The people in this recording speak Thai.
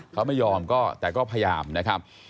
เขาไม่ยอมก็แต่ก็พยายามนะครับ